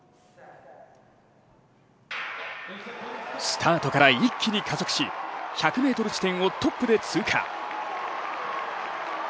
スタートから一気に加速し、１００ｍ地点をトップで通過。